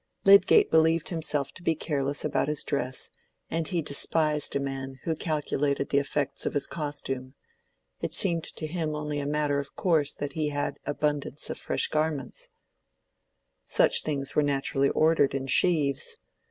Lydgate believed himself to be careless about his dress, and he despised a man who calculated the effects of his costume; it seemed to him only a matter of course that he had abundance of fresh garments—such things were naturally ordered in sheaves.